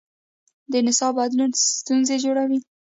د نصاب بدلونونه ستونزې جوړوي.